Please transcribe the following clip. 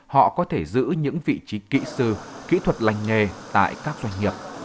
họ có thể giữ những vị trí kỹ sư kỹ thuật lành nghề tại các doanh nghiệp